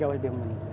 jauh lebih murni